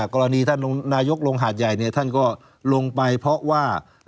กรณีท่านนายกลงหาดใหญ่เนี่ยท่านก็ลงไปเพราะว่า